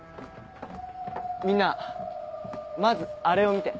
みんなまずあれを見て。